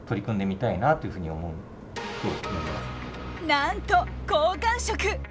なんと好感触！